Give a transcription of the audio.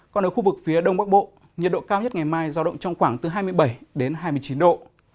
còn ở khu vực phía đông bắc bộ nhiệt độ cao nhất ngày mai giao động trong khoảng từ hai mươi bảy đến hai mươi chín độ